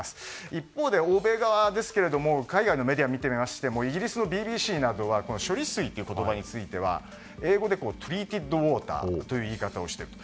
一方で、欧米側ですが海外のメディアを見ていましてもイギリスのＢＢＣなどは処理水という言葉についてはＴｒｅａｔｅｄｗａｔｅｒという言い方をしていると。